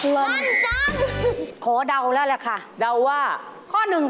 ลั้นจ้อง